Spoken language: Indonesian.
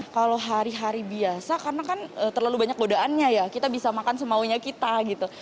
kalau hari hari biasa karena kan terlalu banyak godaannya ya kita bisa makan semaunya kita gitu